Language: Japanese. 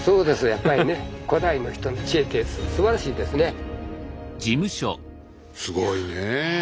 やっぱりねすごいねえ。